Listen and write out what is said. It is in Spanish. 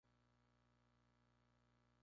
Pronunciado por Carlos el Calvo.